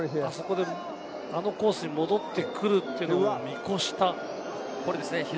そこであのコースに戻ってくるというのを見越した。